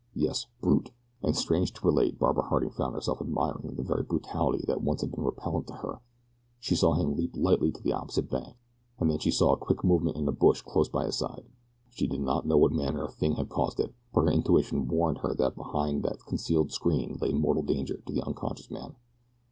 Yes, brute! And strange to relate Barbara Harding found herself admiring the very brutality that once had been repellent to her. She saw him leap lightly to the opposite bank, and then she saw a quick movement in a bush close at his side. She did not know what manner of thing had caused it, but her intuition warned her that behind that concealing screen lay mortal danger to the unconscious man.